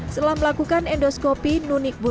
setelah melakukan endoskopi nuni bunuh